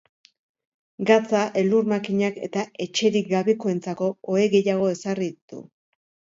Gatza, elur makinak eta etxerik gabekoentzako ohe gehiago ezarri ditu.